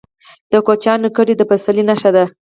د کوچیانو کډې د پسرلي نښه ده.